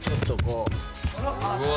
うわ。